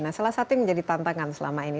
nah salah satu yang menjadi tantangan selama ini